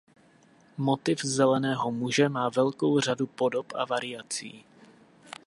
Motiv Zeleného muže má velkou řadu podob a variací.